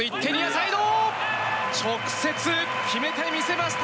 直接決めてみせました！